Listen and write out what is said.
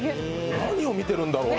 何を見てるんだろうな。